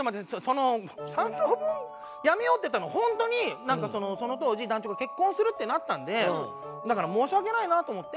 その「三等分やめよう」って言ったのは本当になんかその当時団長が結婚するってなったんでだから申し訳ないなと思って。